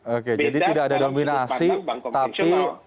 oke jadi tidak ada dominasi tapi